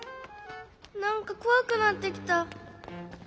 なんかこわくなってきた。